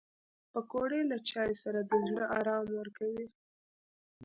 پکورې له چایو سره د زړه ارام ورکوي